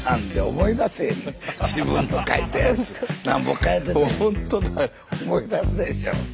思い出すでしょ。